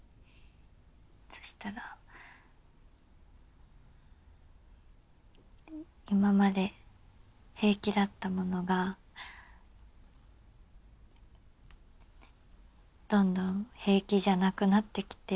そしたら今まで平気だったものがどんどん平気じゃなくなってきて。